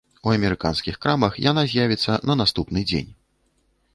У амерыканскіх крамах яна з'явіцца на наступны дзень.